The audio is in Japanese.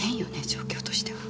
状況としては。